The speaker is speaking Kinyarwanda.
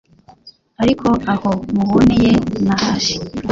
ariko aho muboneye nahashi